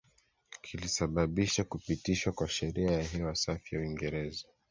kilisababisha kupitishwa kwa Sheria ya Hewa Safi ya Uingereza